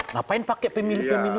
ngapain pakai pemilu pemilu